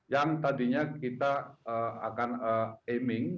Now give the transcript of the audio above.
yang tadinya kita akan aming